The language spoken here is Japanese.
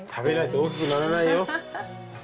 食べないと大きくならないよ。